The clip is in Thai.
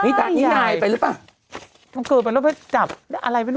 นี่นายไปหรือเปล่ามันเกิดไปแล้วไปจับอะไรไม่รู้